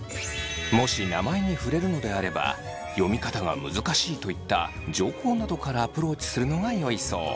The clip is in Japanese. もし名前に触れるのであれば読み方が難しいといった情報などからアプローチするのがよいそう。